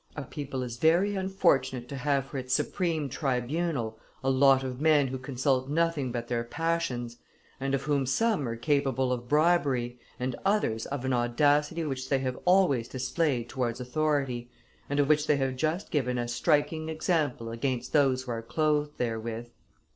A people is very unfortunate to have for its supreme tribunal a lot of men who consult nothing but their passions, and of whom some are capable of bribery and others of an audacity which they have always displayed towards authority, and of which they have just given a striking example against those who are clothed therewith.